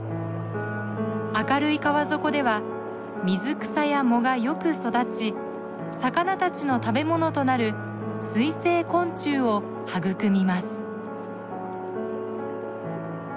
明るい川底では水草や藻がよく育ち魚たちの食べ物となる水生昆虫を育みます。